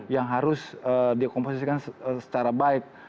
yang harus dikomposisikan secara baik